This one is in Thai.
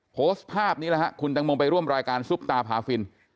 โพสต์ภาพนี้นะฮะคุณตังโมไปร่วมรายการซุปตาพาฟิน